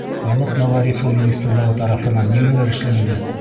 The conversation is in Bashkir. Халыҡ мәғарифы министрлығы тарафынан нимәләр эшләнде?